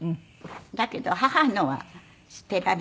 だけど母のは捨てられなくてね。